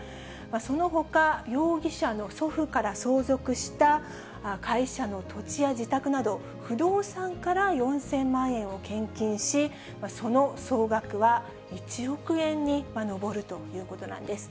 そのほか、容疑者の祖父から相続した会社の土地や自宅など、不動産から４０００万円を献金し、その総額は１億円に上るということなんです。